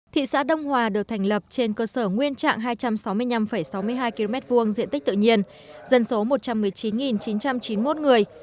thị xã đông hòa được thành lập trên cơ sở nguyên trạng hai trăm sáu mươi năm sáu mươi hai km hai diện tích tự nhiên dân số một trăm một mươi chín chín trăm chín mươi một người